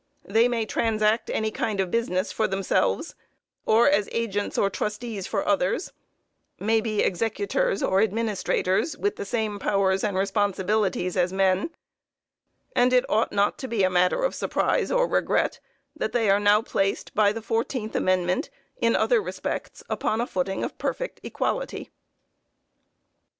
They may transact any kind of business for themselves, or as agents or trustees for others; may be executors or administrators, with the same powers and responsibilities as men; and it ought not to be a matter of surprise or regret that they are now placed, by the fourteenth amendment, in other respects upon a footing of perfect equality.